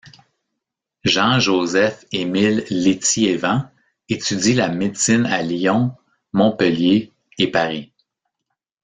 Jean Joseph Émile Létiévant étudie la médecine à Lyon, Montpellier et Paris.